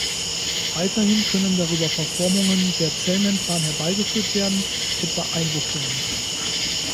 Weiterhin können darüber Verformungen der Zellmembran herbeigeführt werden, etwa Einbuchtungen.